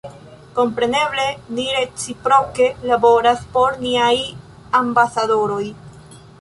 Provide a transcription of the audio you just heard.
Kompreneble, ni reciproke laboras por niaj ambasadoroj